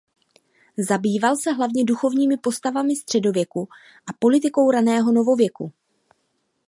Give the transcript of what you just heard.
Zabýval se hlavně duchovními postavami středověku a politikou raného novověku.